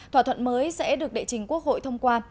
thỏa thuận mới sẽ được đệ trình quốc hội thông qua